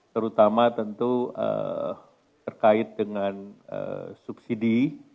terutama tentu terkait dengan subsidi